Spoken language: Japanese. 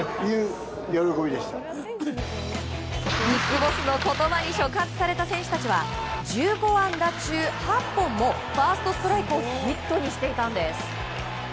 ビッグボスの言葉に触発された選手たちは１５安打中８本もファーストストライクをヒットにしていたのです。